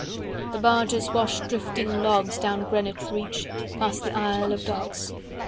The barges wash Drifting logs Down Greenwich reach 275 Past the Isle of Dogs.